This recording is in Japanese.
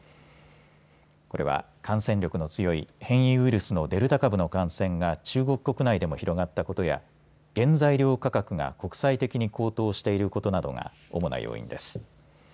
これは感染力の強い変異ウイルスのデルタ株の感染が中国国内でも広がったことや原材料価格が国際的に高騰していることなどが主な要因です。